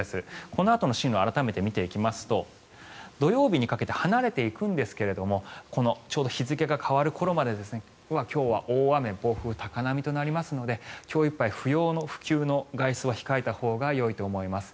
このあとの進路を改めて見ていきますと土曜日にかけて離れていくんですがちょうど日付が変わる頃まで今日は大雨、暴風、高波となりますので今日いっぱい不要不急の外出は控えたほうがよいと思います。